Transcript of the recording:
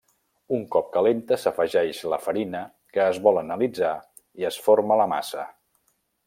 Un cop calenta, s'afegeix la farina que es vol analitzar i es forma la massa.